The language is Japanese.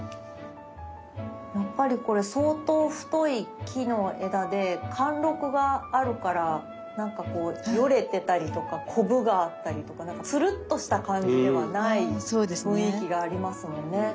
やっぱりこれ相当太い木の枝で貫禄があるから何かこうよれてたりとかコブがあったりとか何かツルッとした感じではない雰囲気がありますよね。